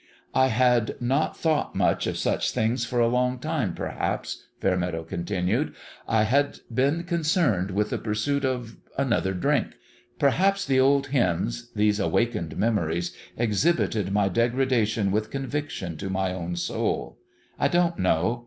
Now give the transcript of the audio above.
" I had not thought much or such things for a long time, perhaps," Fairmeadow continued. " I had been concerned with the pursuit of another drink. Perhaps the old hymns these awakened memories exhibited my degradation IN HIS OWN BEHALF 343 with conviction to my own soul. I don't know. ..